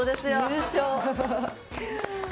優勝